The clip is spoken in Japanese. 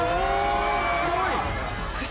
すごい！